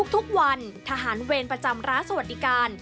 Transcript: ทุกวันทหารเวรประจำร้านสวัสดิการ